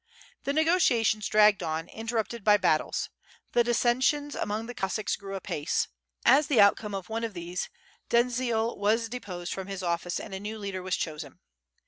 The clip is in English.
The negotiations dragged on interrupted by battles. The dissensions among the Cossacks grew apace. As the outcome of one these Dziedzial was deposed from his office and a new leader wad chosen.